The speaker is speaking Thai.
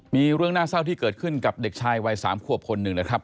มีเรื่องน่าเศร้าที่เกิดขึ้นกับเด็กชายวัย๓ขวบคนหนึ่งนะครับ